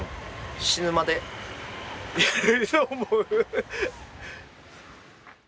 死ぬまでやると思う。